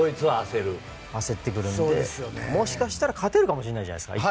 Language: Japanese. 焦ってくるのでもしかしたら勝てるかもしれないじゃないですか。